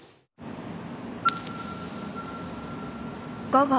午後。